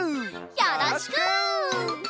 よろしく！